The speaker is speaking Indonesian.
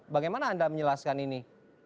bagaimana anda menjelaskan ini